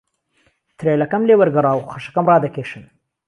ترێلهکهم لێ وهرگهڕا و خهشهکهم ڕادهکێشان